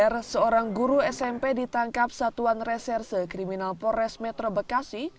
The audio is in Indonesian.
r seorang guru smp ditangkap satuan reserse kriminal pores metro bekasi